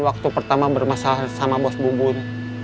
waktu pertama bermasalah sama bos bubun